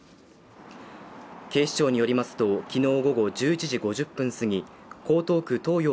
警視庁によりますときのう午後１１時５０分過ぎ江東区東陽